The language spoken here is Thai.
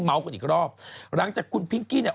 เมาส์กันอีกรอบหลังจากคุณพิ้งกี้